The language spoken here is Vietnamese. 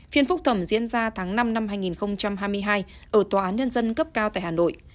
phiên phúc thẩm diễn ra tháng năm năm hai nghìn hai mươi hai ở tòa án nhân dân cấp cao tại hà nội